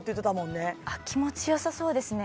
気持ちよさそうですね